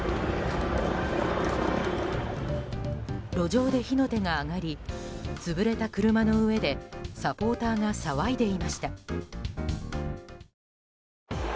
路上で火の手が上がり潰れた車の上でサポーターが騒いでいました。